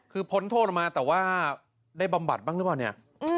คือพ้นโทษออกมาแต่ว่าได้บำบัดบ้างหรือเปล่าเนี่ย